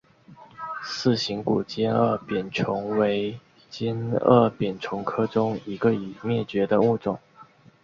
似形古尖腭扁虫为尖腭扁虫科中一个已灭绝的物种。